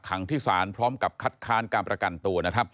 ขังทิศานพร้อมกับคัดค้านกรรมประกันตัว